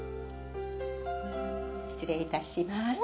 失礼いたします。